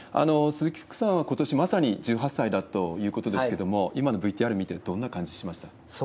鈴木福さんはことしまさに１８歳だということですけれども、今のＶＴＲ見て、どんな感じしました